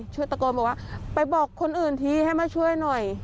ช่วยตะโกนบอกว่าไปบอกคนอื่นทีให้มาช่วยหน่อย